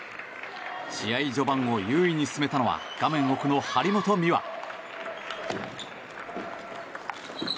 試合序盤を優位に進めたのは画面奥の張本美和。